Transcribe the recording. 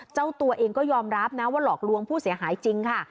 เจ้าตัวเองก็ยอมรับนะว่าหลอกลวงผู้เสียหายจริงค่ะ